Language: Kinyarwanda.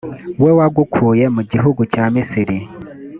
we wagukuye mu gihugu cya misiri.